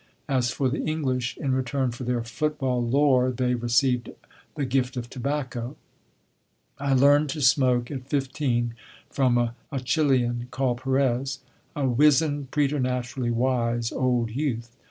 As for the English, in return for their football lore they received the gift of tobacco. I learned to smoke at fifteen from a Chilian called Perez, a wizened, preternaturally wise, old youth.